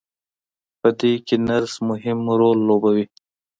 په دې کې نرس مهم رول لوبوي.